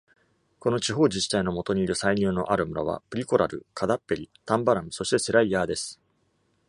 この地方自治体のもとにいる歳入のある村は、プリコラドゥ、カダッペリ、タンバラム、そしてセライヤーです。